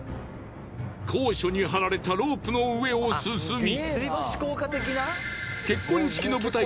高所に張られたロープの上を進み。